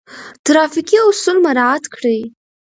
ترافيکي اصول مراعات کړئ.